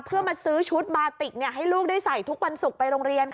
เพื่อมาซื้อชุดบาติกให้ลูกได้ใส่ทุกวันศุกร์ไปโรงเรียน